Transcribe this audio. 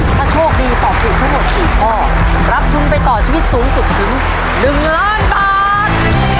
ถ้าโชคดีตอบถูกทั้งหมด๔ข้อรับทุนไปต่อชีวิตสูงสุดถึง๑ล้านบาท